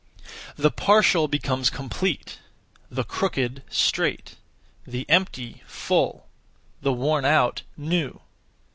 The partial becomes complete; the crooked, straight; the empty, full; the worn out, new.